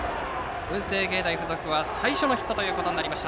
文星芸大付属は最初のヒットとなりました。